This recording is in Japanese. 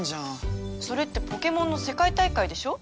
それってポケモンの世界大会でしょ？